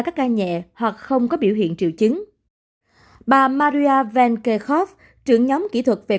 các ca nhẹ hoặc không có biểu hiện triệu chứng bà maria van kerkhoff trưởng nhóm kỹ thuật về